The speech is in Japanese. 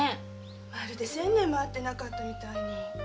まるで千年も会ってなかったみたいに。